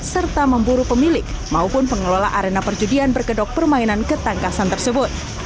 serta memburu pemilik maupun pengelola arena perjudian berkedok permainan ketangkasan tersebut